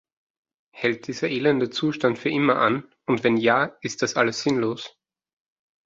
Hält dieser elende Zustand für immer an, und wenn ja, ist das alles sinnlos?